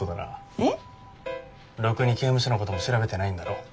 ろくに刑務所のことも調べてないんだろ。